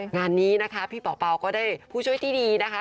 งานนี้นะคะพี่เป่าก็ได้ผู้ช่วยที่ดีนะคะ